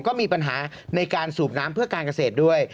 ก็มีปัญหาในการสูบน้ำเพื่อการเกษตรด้วย